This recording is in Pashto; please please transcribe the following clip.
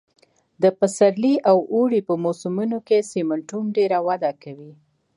د پسرلي او اوړي په موسمونو کې سېمنټوم ډېره وده کوي